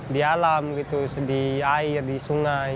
di alam gitu di air di sungai